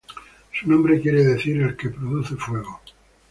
Su nombre quiere decir "el que produce fuego".